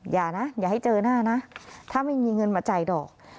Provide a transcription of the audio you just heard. อย่านะอย่าให้เจอหน้านะถ้าไม่มีเงินมาจ่ายดอก